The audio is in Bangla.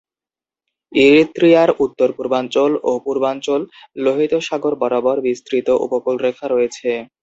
ইরিত্রিয়ার উত্তর-পূর্বাঞ্চল ও পূর্বাঞ্চল লোহিত সাগর বরাবর বিস্তৃত উপকূলরেখা রয়েছে।